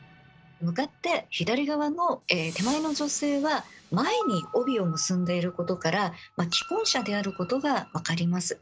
向かって左側の手前の女性は前に帯を結んでいることから既婚者であることが分かります。